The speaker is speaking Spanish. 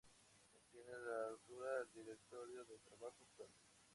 Contiene la ruta al directorio de trabajo actual.